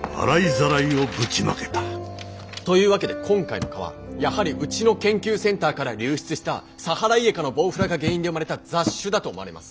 というわけで今回の蚊はやはりうちの研究センターから流出したサハライエカのボウフラが原因で生まれた雑種だと思われます。